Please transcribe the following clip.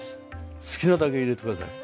好きなだけ入れて下さい。